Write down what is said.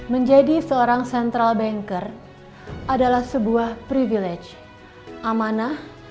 menjadi seorang central banker adalah sebuah privilege amanah